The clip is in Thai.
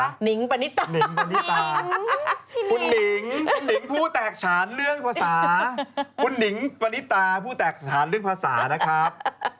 คุณนิตาคุณหนิงคุณหนิงผู้แตกฉานเรื่องภาษาคุณหนิงปณิตาผู้แตกสถานเรื่องภาษานะครับ